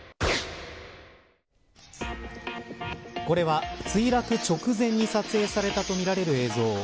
これは、墜落直前に撮影されたとみられる映像。